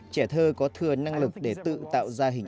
nhưng tôi muốn nói cho họ rằng